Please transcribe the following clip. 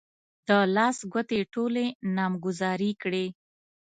د لاس ګوتې يې ټولې نامګذاري کړې.